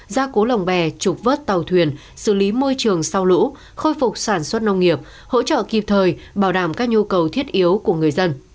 gia cố lồng bè trục vớt tàu thuyền xử lý môi trường sau lũ khôi phục sản xuất nông nghiệp hỗ trợ kịp thời bảo đảm các nhu cầu thiết yếu của người dân